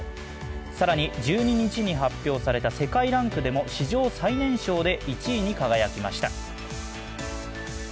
更に１２日に発表された世界ランクでも史上最年少で１位に輝きました。